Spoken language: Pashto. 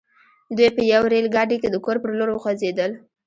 دوی په يوه ريل ګاډي کې د کور پر لور وخوځېدل.